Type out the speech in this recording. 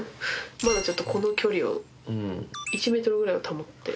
まだちょっとこの距離を１ｍぐらいを保って。